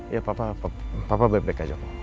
ya papa baik baik aja